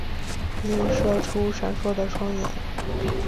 映射出闪烁的双眼